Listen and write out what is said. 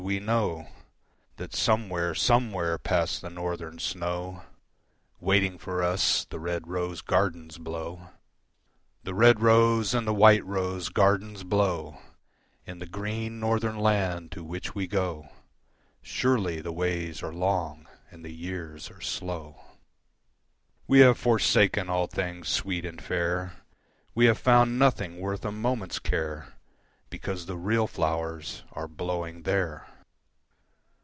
we know That somewhere, somewhere past the Northern snow Waiting for us the red rose gardens blow: The red rose and the white rose gardens blow In the green Northern land to which we go, Surely the ways are long and the years are slow. We have forsaken all things sweet and fair, We have found nothing worth a moment's care Because the real flowers are blowing there.